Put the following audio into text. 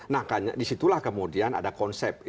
nah disitulah kemudian ada konsep